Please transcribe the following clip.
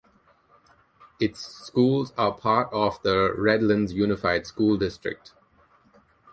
Its schools are part of the Redlands Unified School District.